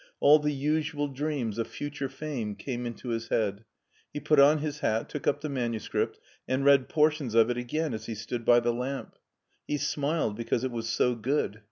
All the usual dreams of future fame came into his head. He put on his hat, took up the manu script and read portions of it again as he stood by the lamp. He smiled because it was so good.